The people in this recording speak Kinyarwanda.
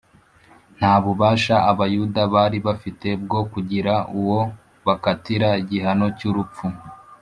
Nta bubasha Abayuda bari bafite bwo kugira uwo bakatira igihano cy’urupfu